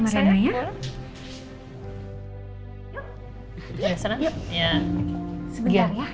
kamar renau ya